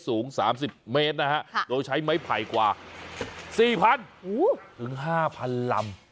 สูง๓๐เมตรนะฮะโดยใช้ไม้ไผ่กว่า๔๐๐๐ถึง๕๐๐ลำ